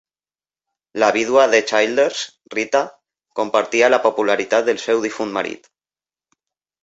La vídua de Childers, Rita, compartia la popularitat del seu difunt marit.